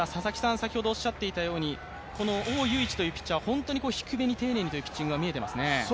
先ほどおっしゃっていたようにこのオウ・ユイイチというピッチャーは本当に低めに丁寧にというピッチングが見えていますね。